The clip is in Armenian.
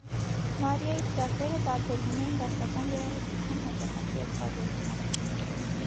Մարիայի ծրագրերը տարբերվում էին դասական երաժշտության հաճախակի օգտագործմամբ։